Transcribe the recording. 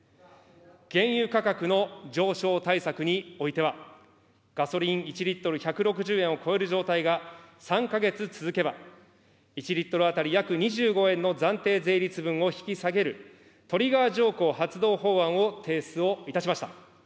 原油価格の上昇対策においては、ガソリン１リットル１６０円を超える状態が３か月続けば、１リットル当たり約２５円の暫定税率分を引き下げるトリガー条項発動法案を提出をいたしました。